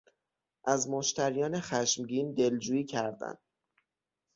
از مشتریان خشمگین دلجویی کردن